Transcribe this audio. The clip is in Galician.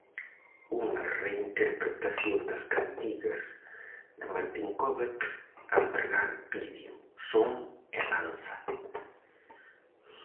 Unha reinterpretación das cantigas de Martín Codax a empregar vídeo, son e danza.